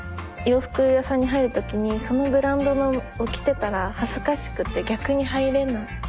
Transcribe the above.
洋服屋さんに入るときにそのブランドのを着てたら恥ずかしくて逆に入れない。